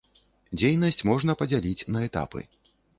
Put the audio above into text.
Дзейнасць можна падзяліць на этапы.